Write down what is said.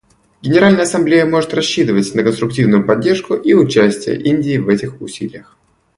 Генеральная Ассамблея может рассчитывать на конструктивную поддержку и участие Индии в этих усилиях.